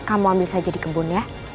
kamu ambil saja di kembun ya